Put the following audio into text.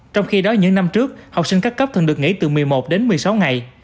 trong khi đó những năm trước học sinh các cấp thường được nghỉ từ một mươi một đến một mươi sáu ngày